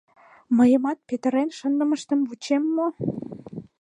Мыйымат петырен шындымыштым вучем мо?